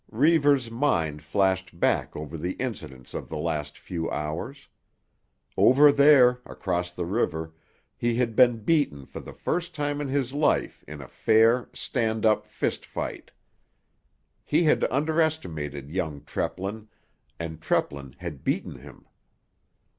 Reivers's mind flashed back over the incidents of the last few hours. Over there, across the river, he had been beaten for the first time in his life in a fair, stand up fist fight. He had underestimated young Treplin, and Treplin had beaten him.